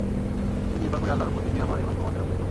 আমি নির্ভর করি আল্লাহর উপর, যিনি আমার এবং তোমাদেরও প্রতিপালক।